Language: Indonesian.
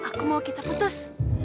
aku mau kita putus